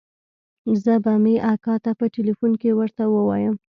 زه به مې اکا ته په ټېلفون کښې ورته ووايم.